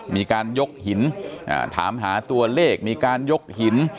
มีการยกหินถามหาตัวเลขมีการยกหิน